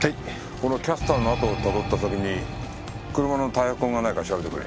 このキャスターの跡をたどった先に車のタイヤ痕がないか調べてくれ。